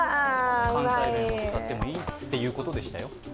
関西弁を使ってもいいということでしたよ。